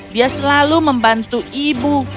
dia selalu membantu ibu